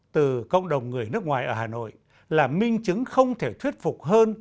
từ cộng đồng người nước ngoài ở hà nội là minh chứng không thể thuyết phục hơn